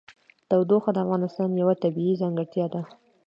تودوخه د افغانستان یوه طبیعي ځانګړتیا ده.